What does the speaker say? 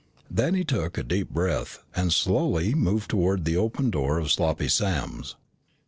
Then he took a deep breath and slowly moved toward the open door of Sloppy Sam's.